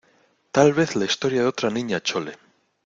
¡ tal vez la historia de otra Niña Chole!